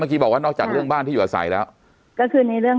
บอกว่านอกจากเรื่องบ้านที่อยู่อาศัยแล้วก็คือในเรื่อง